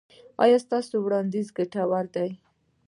ایا ستاسو وړاندیز ګټور دی؟